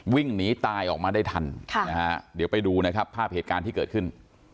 วิ่งหนีตายออกมาได้ทันนะฮะเดี๋ยวไปดูนะครับภาพเหตุการณ์ที่เกิดขึ้น